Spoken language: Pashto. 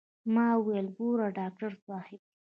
ما وويل ګوره ډاکتر صاحب.